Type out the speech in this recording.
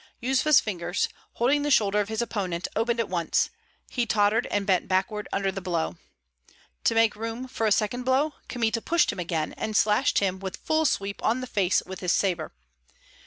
Yuzva's fingers, holding the shoulder of his opponent, opened at once; he tottered and bent backward under the blow. To make room for a second blow, Kmita pushed him again, and slashed him with full sweep on the face with his sabre.